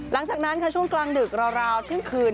หลังจากนั้นค่ะช่วงกลางดึกราวเที่ยงคืน